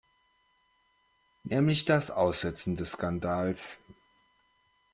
Nämlich das Aussitzen des Skandals.